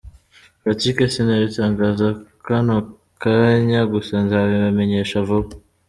Patrick: Sinabitangaza kano kanya, gusa nzabibamenyesha vuba.